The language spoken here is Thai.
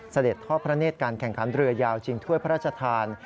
เสด็จทอดพระเนธการแข่งขันเรือยาวชิงถ้วยพระราชทาน